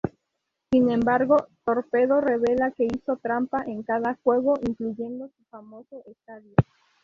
Sin embargo, Torpedo revela que hizo trampa en cada juego, incluyendo su famoso estadio.